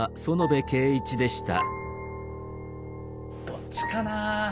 どっちかなあ。